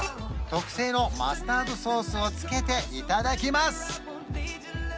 特製のマスタードソースをつけていただきます！